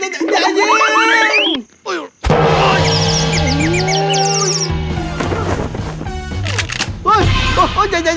สายน้ำทังนะ